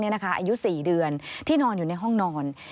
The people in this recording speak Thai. อายุ๔เดือนที่นอนอยู่ในห้องนอน